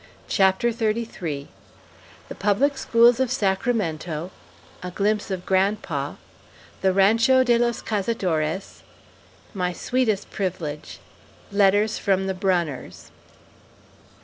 CHAPTER XXXIII THE PUBLIC SCHOOLS OF SACRAMENTO A GLIMPSE OF GRANDPA THE RANCHO DE LOS CAZADORES MY SWEETEST PRIVILEGE LETTERS FROM THE BRUNNERS.